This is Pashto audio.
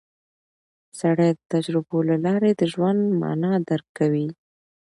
سړی د تجربو له لارې د ژوند مانا درک کوي